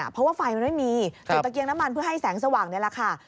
เพราะว่าไฟมันไม่มีจุดตะเกียงน้ำมันเพื่อให้แสงสว่างนี่แหละค่ะ